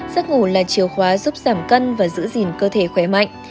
giấc ngủ là chiều khóa giúp giảm cân và giữ gìn cơ thể khỏe mạnh